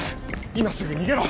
今すぐ逃げろ！